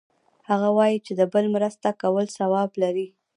هغه وایي چې د بل مرسته کول ثواب لری